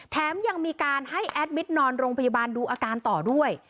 แถมยังมีการให้แอดมิตรนอนโรงพยาบาลดูอาการต่อด้วย